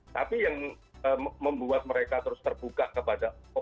tapi yang membuat mereka terus terbuka kepada komnas ham